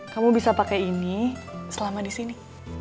kamu bisa pakai ini selama di sini